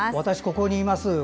私、ここにいます。